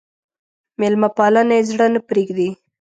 مېلمه پالنه يې زړه نه پرېږدي.